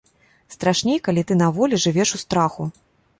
Страшней, калі ты на волі жывеш у страху.